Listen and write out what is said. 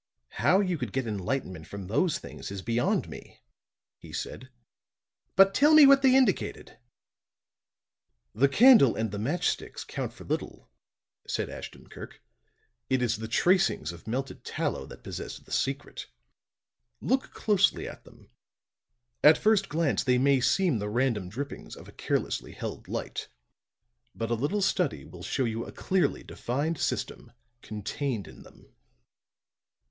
"How you could get enlightenment from those things is beyond me," he said. "But tell me what they indicated." "The candle and the match sticks count for little," said Ashton Kirk. "It is the tracings of melted tallow that possess the secret. Look closely at them. At first glance they may seem the random drippings of a carelessly held light. But a little study will show you a clearly defined system contained in them."